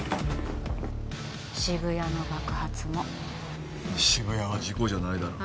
渋谷の爆発も渋谷は事故じゃないだろ